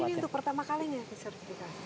jadi ini untuk pertama kalinya yang disertifikasi